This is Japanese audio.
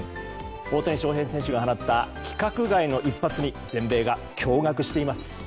大谷翔平選手が放った規格外の一発に全米が驚愕しています。